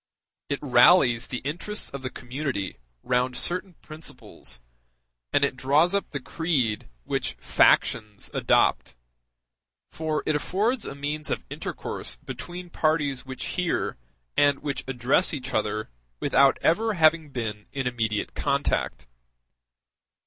It rallies the interests of the community round certain principles, and it draws up the creed which factions adopt; for it affords a means of intercourse between parties which hear, and which address each other without ever having been in immediate contact.